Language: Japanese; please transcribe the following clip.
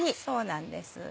そうなんです。